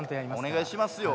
お願いしますよ。